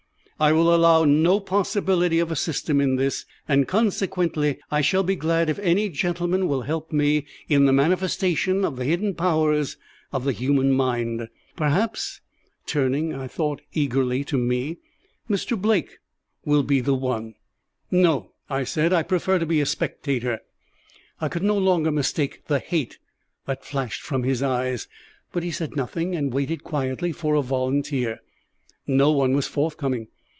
I will allow no possibility of a system in this, and consequently I shall be glad if any gentleman will help me in the manifestation of the hidden powers of the human mind. Perhaps" turning, I thought, eagerly to me "Mr. Blake will be the one?" "No," I said; "I prefer to be a spectator." I could no longer mistake the hate that flashed from his eyes; but he said nothing, and waited quietly for a volunteer. No one was forthcoming.